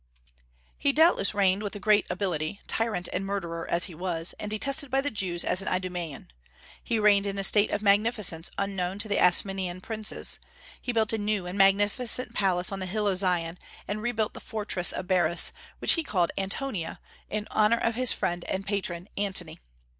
He doubtless reigned with great ability, tyrant and murderer as he was, and detested by the Jews as an Idumaean. He reigned in a state of magnificence unknown to the Asmonean princes. He built a new and magnificent palace on the hill of Zion, and rebuilt the fortress of Baris, which he called Antonia in honor of his friend and patron, Antony.